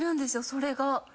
それが。